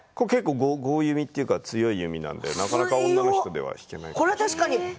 強弓というか強い弓なのでなかなか女の人では引けないです。